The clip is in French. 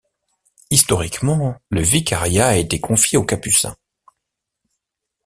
Historiquement, le vicariat a été confié aux capucins.